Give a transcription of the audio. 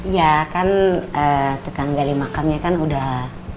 ya kan tukang gali makamnya kan udah